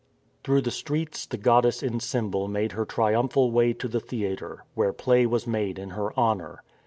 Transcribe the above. Through the streets the goddess in symbol made her triumphal way to the theatre, where play was made in her honour.